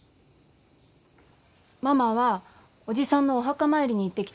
ママはおじさんのお墓参りに行ってきたのよ。